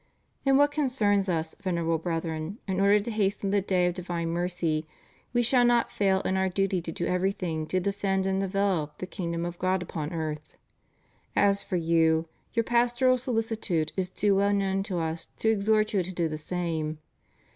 In what concerns Us, Venerable Brethren, in order to hasten the day of divine mercy, We shall not fail in Our duty to do everything to defend and develop the kingdom of God upon earth. As for you, your pastoral solicitude is too well known to Us to exhort you to do the same.